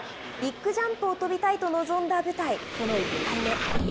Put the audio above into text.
ビッグジャンプを飛びたいと臨んだ舞台、その１回目。